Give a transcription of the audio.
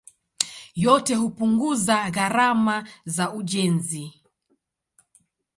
Yote hupunguza gharama za ujenzi.